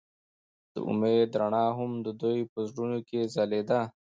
د امید رڼا هم د دوی په زړونو کې ځلېده.